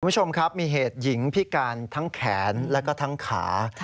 คุณผู้ชมครับมีเหตุหญิงพิการทั้งแขนแล้วก็ทั้งขา